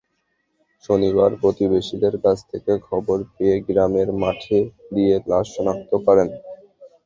শনিবার প্রতিবেশীদের কাছ থেকে খবর পেয়ে গ্রামের মাঠে গিয়ে লাশ শনাক্ত করেন।